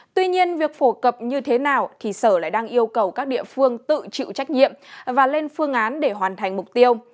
tuy nhiên việc phổ cập như thế nào thì sở lại đang yêu cầu các địa phương tự chịu trách nhiệm và lên phương án để hoàn thành mục tiêu